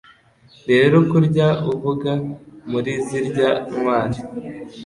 Rero kurya uvuka muri zirya ntwari,